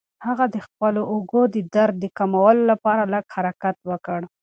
هغه د خپلو اوږو د درد د کمولو لپاره لږ حرکت وکړ.